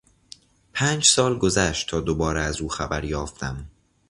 پنج سال گذشت تا دوباره از او خبر یافتم.